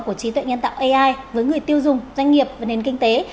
của trí tuệ nhân tạo ai với người tiêu dùng doanh nghiệp và nền kinh tế